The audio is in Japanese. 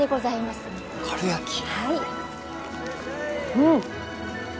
うん！